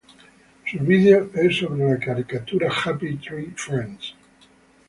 Su vídeo es sobre la caricatura Happy Tree Friends.